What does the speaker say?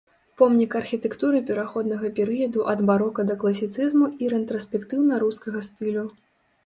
Помнік архітэктуры пераходнага перыяду ад барока да класіцызму і рэтраспектыўна-рускага стылю.